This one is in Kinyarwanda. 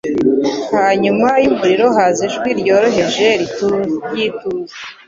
Hanyuma y'umuriro haza ijwi ryoroheje ry'ituze.